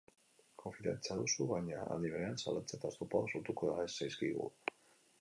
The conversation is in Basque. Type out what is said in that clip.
Konfidantza duzu, baina, aldi berean, zalantza eta oztopoak sortuko zaizkigu.